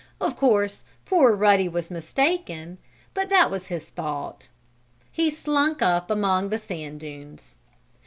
Of course poor Ruddy was mistaken, but that was his thought. He slunk up among the sand dunes.